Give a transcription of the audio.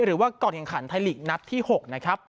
ก็คือว่ากอดเงินขันไทยหลีกนับที่๖นะครับ